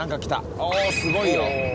おすごいよ。